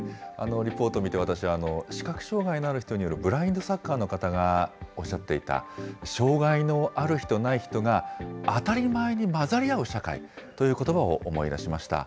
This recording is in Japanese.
リポート見て、私、視覚障害のある人によるブラインドサッカーの方がおっしゃっていた、障害のある人ない人が、当たり前に混ざり合う社会ということばを思い出しました。